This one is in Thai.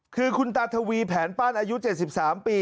คือคุณตาทวีแผนปั้นอายุ๗๓ปี